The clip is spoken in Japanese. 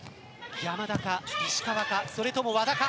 山田か、石川かそれとも和田か。